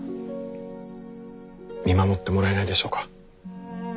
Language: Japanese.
見守ってもらえないでしょうか？